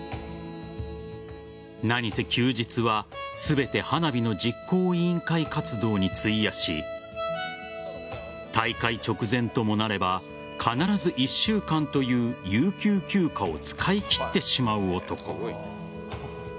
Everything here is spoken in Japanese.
何せ、休日は全て花火の実行委員会活動に費やし大会直前ともなれば必ず１週間という有給休暇を使い切ってしまう男。